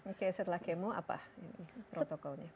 oke setelah kemo apa ini protokolnya